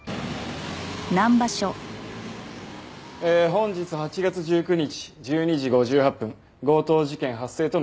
本日８月１９日１２時５８分強盗事件発生との通報。